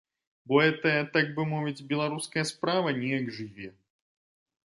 Бо гэтая, так бы мовіць, беларуская справа неяк жыве.